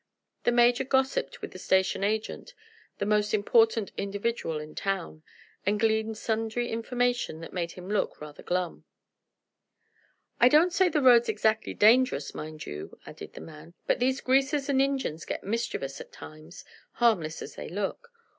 The Major gossiped with the station agent, the most important individual in town, and gleaned sundry information that made him look rather glum. "I don't say the road's exactly dangerous, mind you," added the man, "but these greasers and Injuns get mischievous, at times, harmless as they look.